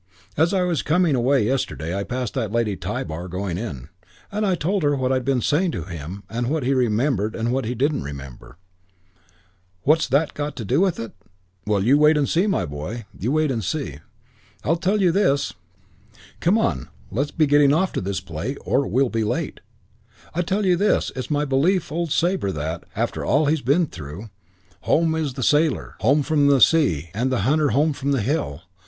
As I was coming away yesterday I passed that Lady Tybar going in, and I told her what I'd been saying to him and what he remembered and what he didn't remember.... What's that got to do with it? Well, you wait and see, my boy. You wait and see. I'll tell you this come on, let's be getting off to this play or we'll be late I tell you this, it's my belief of old Sabre that, after all he's been through, "Home is the sailor, home from the sea And the hunter home from the hill.